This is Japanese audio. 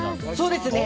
そうですね。